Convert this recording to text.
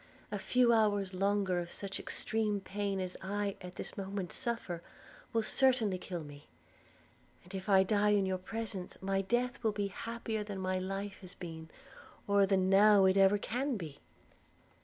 A few hours longer of such extreme pain, as I at this moment suffer, will certainly kill me: and if I die in your presence, my death will be happier than my life has been, or than now it ever can be.'